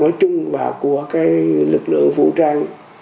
nói chung và của cái lực lượng phụ trang